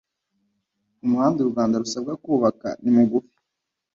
umuhanda u Rwanda rusabwa kubaka ni mugufi